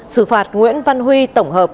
xử phạt nguyễn văn huy tổng hợp